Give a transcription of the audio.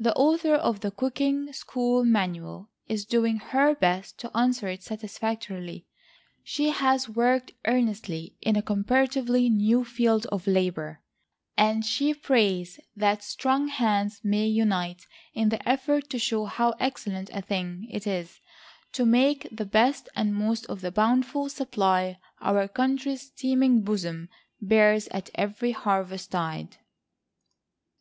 The author of THE COOKING SCHOOL MANUAL is doing her best to answer it satisfactorily. She has worked earnestly in a comparatively new field of labor, and she prays that strong hands may unite in the effort to show how excellent a thing it is to make the best and most of the bountiful supply our country's teeming bosom bears at every harvest tide.